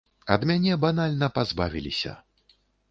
Ад мяне банальна пазбавіліся.